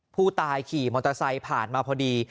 ผู้ตายขี่มอเตอร์ไซค์ผ่านมาพอดี